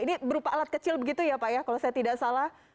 ini berupa alat kecil begitu ya pak ya kalau saya tidak salah